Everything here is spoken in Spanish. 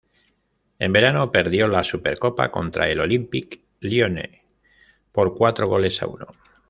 En verano perdió la Supercopa contra el Olympique Lyonnais por cuatro goles a uno.